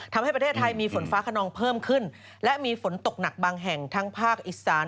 ทำให้ประเทศไทยมีฝนฟ้าขนองเพิ่มขึ้นและมีฝนตกหนักบางแห่งทั้งภาคอีสาน